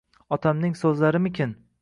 Otamning so’zlarimikin?